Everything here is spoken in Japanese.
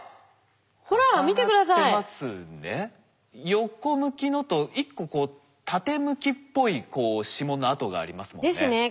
横向きのと１個こう縦向きっぽい指紋の跡がありますもんね。ですね。